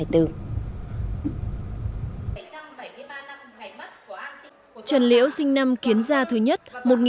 trần liễu sinh năm kiến gia thứ nhất